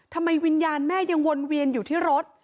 ทำไมวิญญาณแม่ยังวนเวียนอยู่ที่รถ